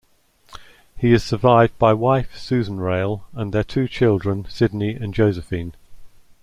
He is survived by wife Susan Rayl and their two children, Sydney and Josephine.